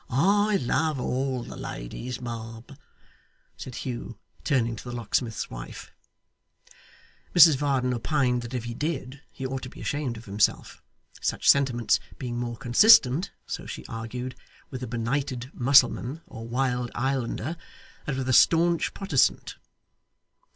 I love all the ladies, ma'am,' said Hugh, turning to the locksmith's wife. Mrs Varden opined that if he did, he ought to be ashamed of himself; such sentiments being more consistent (so she argued) with a benighted Mussulman or wild Islander than with a stanch Protestant.